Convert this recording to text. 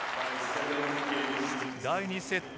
第２セット